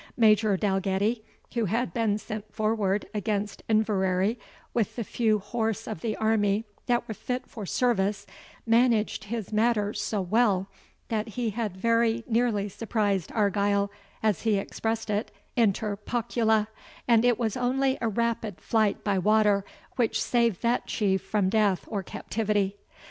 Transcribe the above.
Major Dalgetty, who had been sent forward against Inverary with the few horse of the army that were fit for service, managed his matters so well, that he had very nearly surprised Argyle, as he expressed it, INTER POCULA; and it was only a rapid flight by water which saved that chief from death or captivity.